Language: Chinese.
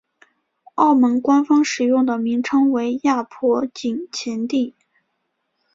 澳门官方使用的名称为亚婆井前地。